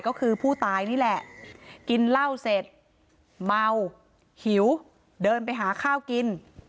ก็คือผู้ตายนี่แหละกินเหล้าเสร็จเมาหิวเดินไปหาข้าวกิน